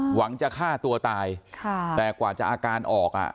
หวังจะฆ่าตัวตายค่ะแต่กว่าจะอาการออกอ่ะ